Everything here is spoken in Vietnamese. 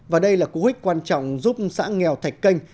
và đây là cú hích quan trọng giúp xã nghèo thạch canh